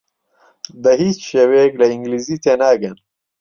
بە هیچ شێوەیەک لە ئینگلیزی تێناگەن.